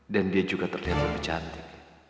dan dia juga terlihat lebih cantik